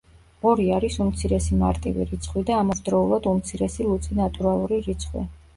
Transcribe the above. ორი არის უმცირესი მარტივი რიცხვი და ამავდროულად უმცირესი ლუწი ნატურალური რიცხვი.